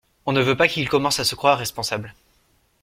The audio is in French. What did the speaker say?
On ne veut pas qu’il commence à se croire responsable.